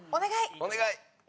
お願い！